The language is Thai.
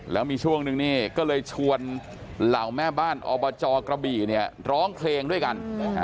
แล้วมีช่วงนึงนี่ก็เลยชวนเหล่าแม่บ้านอบจกระบี่เนี่ยร้องเพลงด้วยกัน